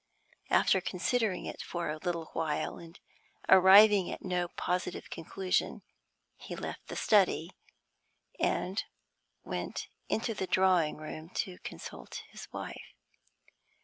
After considering for a little while and arriving at no positive conclusion, he left the study, and went into the drawing room to consult his wife.